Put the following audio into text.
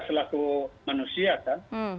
selaku manusia kan